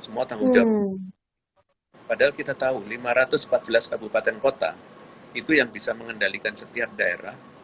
semua tanggung jawab padahal kita tahu lima ratus empat belas kabupaten kota itu yang bisa mengendalikan setiap daerah